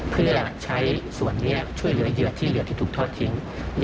เพื่อใช้ส่วนนี้ช่วยเหลือเหยื่อที่เหลือที่ถูกทอดทิ้ง